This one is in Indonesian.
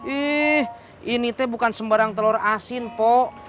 ih ini teh bukan sembarang telur asin po